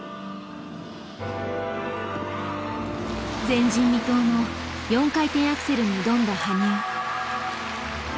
前人未到の４回転アクセルに挑んだ羽生。